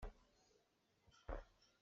Tiva kam ah phai tampi an kho.